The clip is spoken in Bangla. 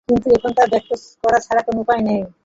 কিন্তু এখন তা ব্যক্ত করা ছাড়া কোন উপায় নেই।